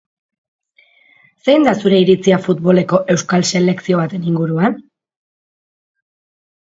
Zein da zure iritzia futboleko euskal selekzio baten inguruan?